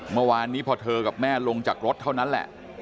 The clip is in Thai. เมื่อวานนี้พอเธอกับแม่ลงจากรถเท่านั้นแหละ